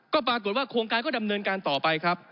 ก็ปรากฏว่าโครงการก็ดำเนินการต่อไปครับ